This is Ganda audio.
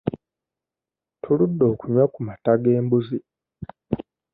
Tuludde okunywa ku mata g'embuzi.